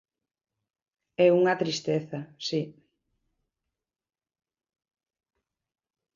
É unha tristeza, si.